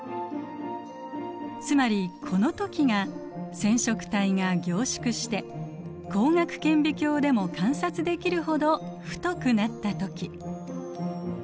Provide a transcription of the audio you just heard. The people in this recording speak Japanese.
つまりこの時が染色体が凝縮して光学顕微鏡でも観察できるほど太くなった時。